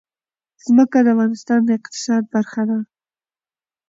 ځمکه د افغانستان د اقتصاد برخه ده.